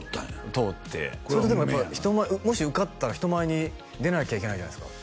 通ってそれはでもやっぱり人前もし受かったら人前に出なきゃいけないじゃないですか